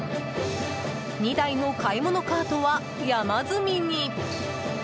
２台の買い物カートは、山積みに。